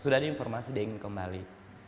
sudah ada informasi dia ingin kembali